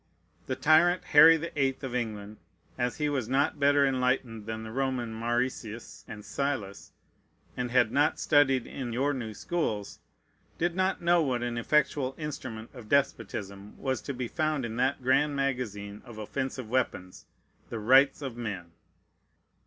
The tyrant Harry the Eighth of England, as he was not better enlightened than the Roman Mariuses and Syllas, and had not studied in your new schools, did not know what an effectual instrument of despotism was to be found in that grand magazine of offensive weapons, the rights of men.